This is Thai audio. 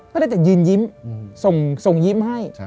เขาจะยืนยิ้มส่งยิ้มให้